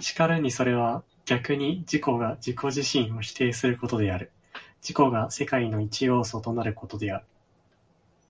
然るにそれは逆に自己が自己自身を否定することである、自己が世界の一要素となることである。